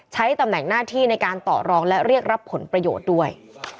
ใช้ตำแหน่งหน้าที่ในการต่อรองและเรียกรับผลประโยชน์ด้วย